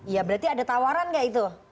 ya berarti ada tawaran nggak itu